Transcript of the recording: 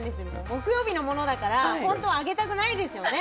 木曜日のものだから本当はあげたくないですよね。